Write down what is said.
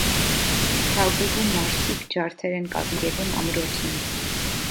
Թագուհու մարդիկ ջարդեր են կազմակերպում ամրոցում։